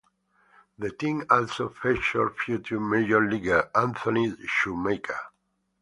The team also featured future major leaguer Anthony Shumaker.